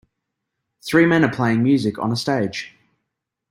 Three men are playing music on a stage.